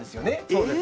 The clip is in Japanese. そうです。